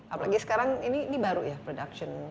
apalagi sekarang ini baru ya production